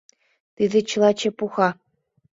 Тиде чыла чепуха!